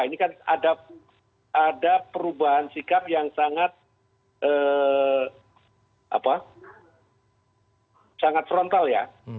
ini kan ada perubahan sikap yang sangat frontal ya